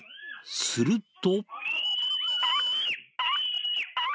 すると。